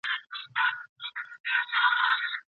د نجونو لیلیه په بیړه نه بشپړیږي.